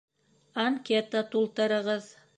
Анкета тултырығыҙ